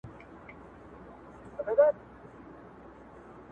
o سر خپل ماتوم که د مکتب دروازه ماته کړم,